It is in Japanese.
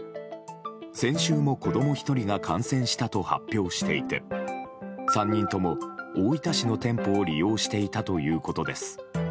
先週も子供１人が感染したと発表していて３人とも、大分市の店舗を利用していたということです。